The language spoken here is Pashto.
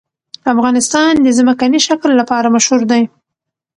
افغانستان د ځمکنی شکل لپاره مشهور دی.